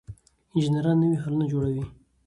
انجنیران نوي حلونه جوړوي.